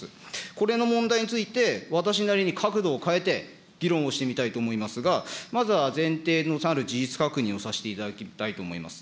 これの問題について、私なりに角度を変えて、議論をしてみたいと思いますが、まずは前提の事実確認をさせていただきたいと思います。